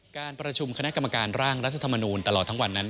การประชุมคณะกรรมการร่างรัฐธรรมนูลตลอดทั้งวันนั้น